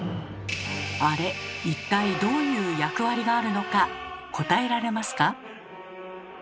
あれ一体どういう役割があるのか答えられますか？